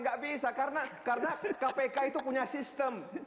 nggak bisa karena kpk itu punya sistem